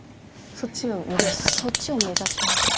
そっちを目指しました。